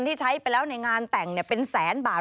ที่ใช้ไปแล้วในงานแต่งเป็นแสนบาท